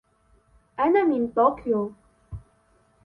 أنا من طوكيو.